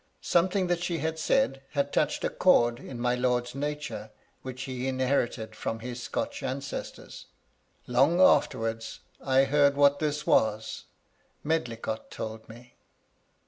Something that she had said had touched a chord in my lord's nature which he inherited from his Scotch ancestors. Long afterwards, I heard what this was. Medlicott told me.